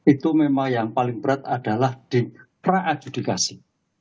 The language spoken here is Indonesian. itu memang yang paling berat adalah di pra adjudikasi